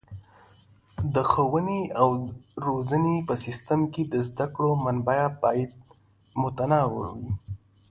د ښوونې او روزنې په سیستم کې د زده کړې منابع باید متنوع وي.